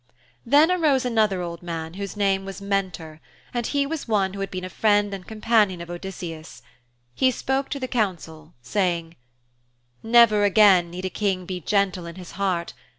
Then arose another old man whose name was Mentor, and he was one who had been a friend and companion of Odysseus. He spoke to the council saying: 'Never again need a King be gentle in his heart.